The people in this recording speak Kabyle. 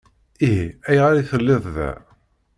Ihi ayɣer i telliḍ da?